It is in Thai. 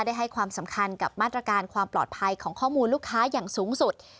ให้ความสำคัญกับมาตรการความปลอดภัยของข้อมูลลูกค้าอย่างสูงสุด